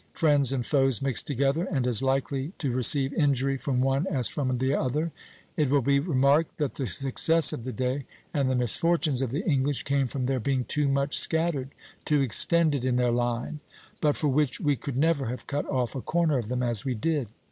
friends and foes mixed together and as likely to receive injury from one as from the other. It will be remarked that the success of the day and the misfortunes of the English came from their being too much scattered, too extended in their line; but for which we could never have cut off a corner of them, as we did.